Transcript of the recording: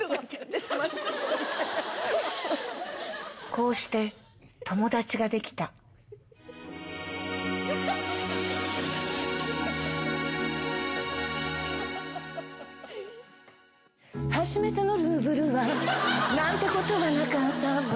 こうして友達ができた「はじめてのルーブルはなんてことは無かったわ」